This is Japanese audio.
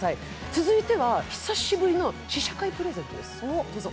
続いては久しぶりの試写会プレゼントです、どうぞ。